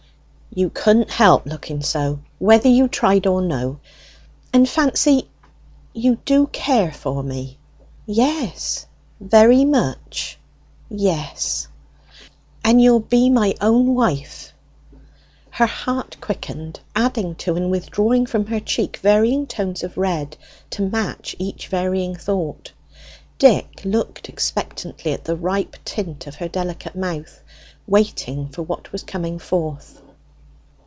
"You couldn't help looking so, whether you tried or no. And, Fancy, you do care for me?" "Yes." "Very much?" "Yes." "And you'll be my own wife?" Her heart quickened, adding to and withdrawing from her cheek varying tones of red to match each varying thought. Dick looked expectantly at the ripe tint of her delicate mouth, waiting for what was coming forth.